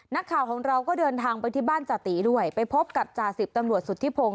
นักข่าวของเราก็เดินทางไปที่บ้านจติด้วยไปพบกับจ่าสิบตำรวจสุธิพงศ